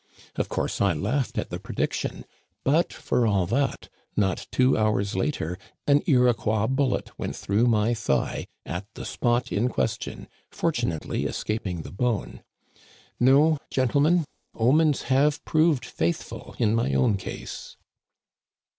Of course I laughed at the prediction ; but for all that, not two hours later an Iroquois bullet Digitized by VjOOQIC THE FAMILY HEARTM, 257 went through my thigh at the spot in question, fortu nately escaping the bone. No, gentlemen ; omens have proved faithful in my own case."